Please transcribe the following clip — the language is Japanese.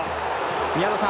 宮澤さん。